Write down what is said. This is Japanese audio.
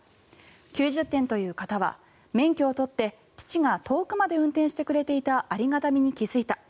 ９０点という方は免許を取って父が遠くまで運転してくれていたありがたみに気付いた。